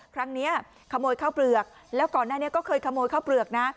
ครั้งนี้ขโมยข้าวเปลือกแล้วก่อนหน้านี้ก็เคยขโมยข้าวเปลือกนะ